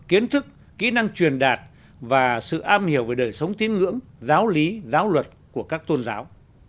kiến thức kỹ năng truyền đạt và sự am hiểu về đời sống tiếng ngưỡng giáo lý giáo luật của các tôn giáo